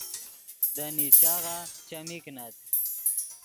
دے نیچاغہ چیمی کینت